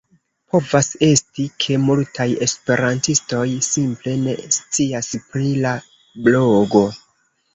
Povas esti, ke multaj esperantistoj simple ne scias pri la blogo.